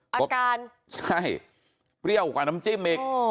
อาการใช่เปรี้ยวกว่าน้ำจิ้มอีก